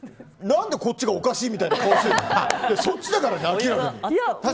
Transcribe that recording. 何でこっちがおかしいみたいな顔してるの？